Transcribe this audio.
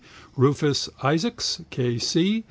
C., Rufus Isaacs, K.